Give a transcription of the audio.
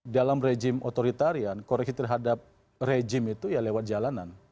dalam rejim otoritarian koreksi terhadap rejim itu ya lewat jalanan